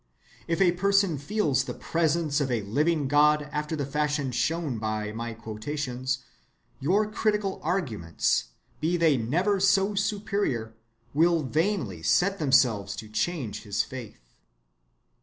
If a person feels the presence of a living God after the fashion shown by my quotations, your critical arguments, be they never so superior, will vainly set themselves to change his faith.